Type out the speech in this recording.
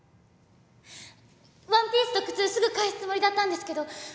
ワンピースと靴すぐ返すつもりだったんですけど。